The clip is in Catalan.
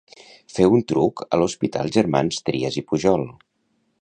Fer un truc a l'Hospital Germans Trias i Pujol.